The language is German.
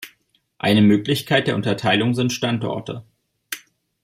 Eine Möglichkeit der Unterteilung sind Standorte.